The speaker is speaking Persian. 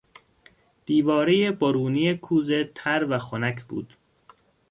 دیوارهی برونی کوزه تر و خنک بود.